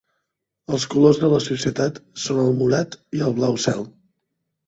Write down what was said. Els colors de la societat són el morat i el blau cel.